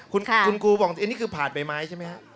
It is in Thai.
คุณครูบอกอันนี้คือผ่านใบไม้ใช่ไหมฮะ